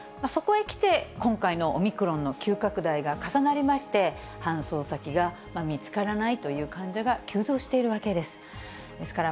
そこへ来て、今回のオミクロンの急拡大が重なりまして、搬送先が見つからないという患者が急増しているわけです。